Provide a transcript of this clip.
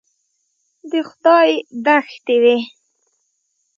د خدای دښتې وې.